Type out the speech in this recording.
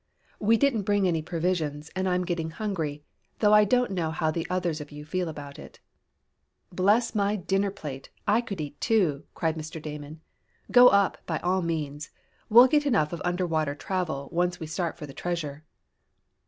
"We didn't bring any provisions, and I'm getting hungry, though I don't know how the others of you feel about it." "Bless my dinner plate, I could eat, too!" cried Mr. Damon. "Go up, by all means. We'll get enough of under water travel once we start for the treasure."